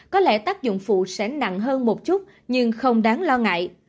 có lẽ tác dụng phụ sẽ nặng hơn một chút nhưng không đáng lo ngại